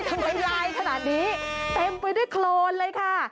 ทำอะไรขนาดนี้เต็มไปด้วยโครนเลยค่ะ